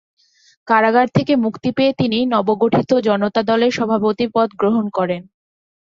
কারাগার থেকে মুক্তি পেয়ে তিনি নবগঠিত জনতা দলের সভাপতি পদ গ্রহণ করেন।